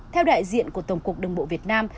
theo đại diện của tổng cục đường bộ việt nam